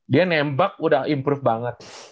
dia nembak udah improve banget